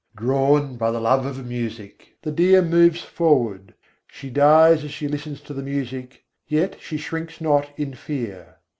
Drawn by the love of music, the deer moves forward: she dies as she listens to the music, yet she shrinks not in fear.